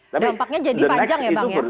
dampaknya jadi panjang ya bang ya